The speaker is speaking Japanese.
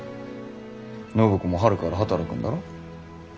暢子も春から働くんだろ？